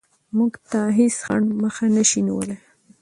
موږ ته هېڅ خنډ مخه نشي نیولی.